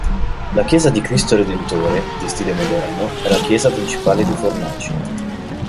La chiesa di Cristo Redentore, di stile moderno, è la chiesa principale di Fornaci.